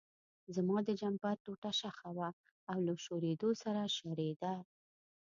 زما د جمپر ټوټه شخه وه او له شورېدو سره شریده.